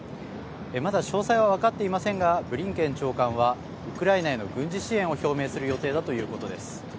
まだ、詳細は分かっていませんがブリンケン長官はウクライナへの軍事支援を表明する予定だということです。